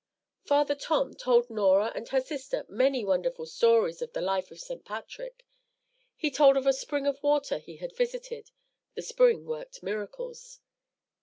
Father Tom told Norah and her sister many wonderful stories of the life of St. Patrick. He told of a spring of water he had visited. This spring worked miracles.